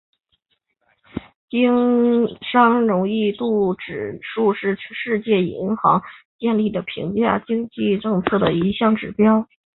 经商容易度指数是世界银行建立的评价经济政策的一项指标。